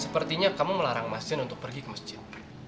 sepertinya kamu melarang mas jin untuk pergi ke masjid